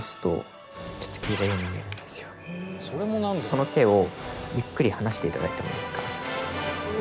その手をゆっくり離して頂いてもいいですか。